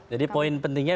jadi poin pentingnya